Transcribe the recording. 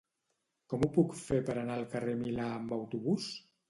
Com ho puc fer per anar al Milà amb autobús?